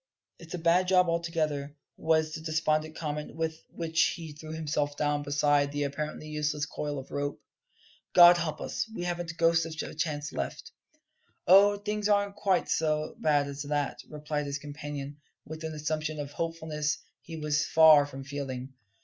"It's a bad job altogether," was the despondent comment with which he threw himself down beside the apparently useless coil of rope. "God help us, we haven't a ghost of a chance left!" "Oh, things aren't quite so bad as that!" replied his companion, with an assumption of hopefulness he was far from feeling.